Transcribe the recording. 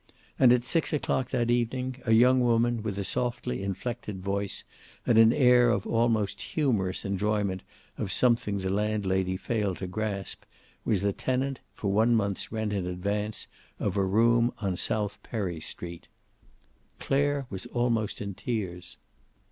And at six o'clock that evening a young woman with a softly inflected voice and an air of almost humorous enjoyment of something the landlady failed to grasp, was the tenant, for one month's rent in advance, of a room on South Perry Street. Clare was almost in tears.